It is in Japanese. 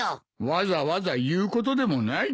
わざわざ言うことでもない。